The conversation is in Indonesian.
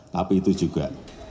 tapi itu juga